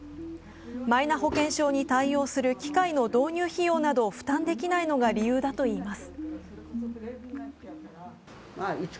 マイナ保険証に対応する機械の導入費用などを負担できないのが理由だといいます。